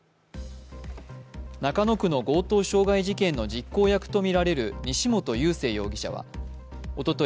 中野区の強盗傷害事件の実行役とみられる西本佑聖容疑者はおととい